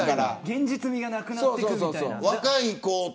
現実味がなくなっていくみたいな。